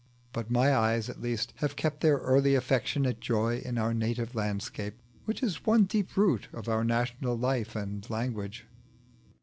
But my eyes at least have kept their early affectionate joy in our native landscape, which is one deep root of our national life and language.